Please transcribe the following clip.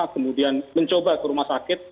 kemudian mencoba ke rumah sakit